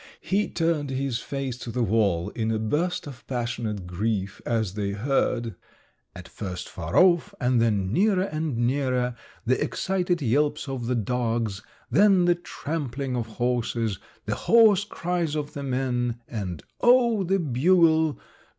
He turned his face to the wall in a burst of passionate grief as they heard, at first far off, and then nearer and nearer, the excited yelps of the dogs, then the trampling of horses, the hoarse cries of the men, and oh, the bugle!